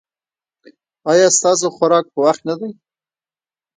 ایا ستاسو خوراک په وخت نه دی؟